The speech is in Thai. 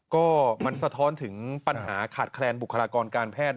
ก็มันสะท้อนถึงปัญหาขาดแคลนบุคลากรการแพทย์